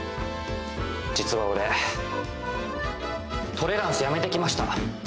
実は俺トレランス辞めてきました。